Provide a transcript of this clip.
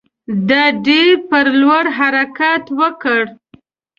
د دیر پر لور حرکت وکړ.